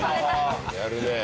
やるねえ。